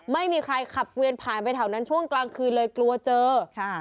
ไม่มีใครขับเวียนผ่านไปแถวนั้นช่วงกลางคืนเลยกลัวเจอค่ะ